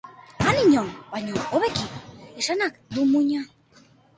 Han inon baino hobeki, esanak du muina.